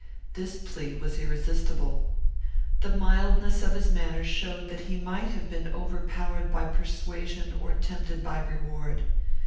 This plea was irresistible. The mildness of his manner showed that he might have been overpowered by persuasion or tempted by reward.